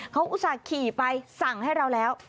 เขาอุตส่าห์ขี่ไปสั่งให้เราแล้ว